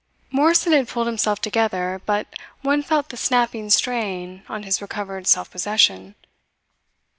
Morrison had pulled himself together, but one felt the snapping strain on his recovered self possession.